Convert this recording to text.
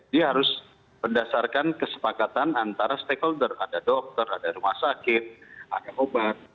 dia harus berdasarkan kesepakatan antara stakeholder ada dokter ada rumah sakit ada obat